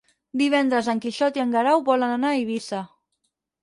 Divendres en Quixot i en Guerau volen anar a Eivissa.